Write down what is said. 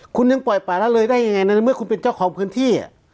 คุณยังปล่อยป่าละเลยได้ยังไงในเมื่อคุณเป็นเจ้าของพื้นที่